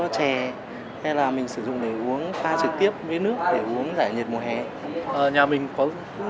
chè hay là mình sử dụng để uống pha trực tiếp với nước để uống giải nhiệt mùa hè nhà mình có